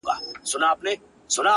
زما د زړه گلونه ساه واخلي،